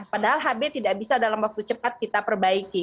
padahal hb tidak bisa dalam waktu cepat kita perbaiki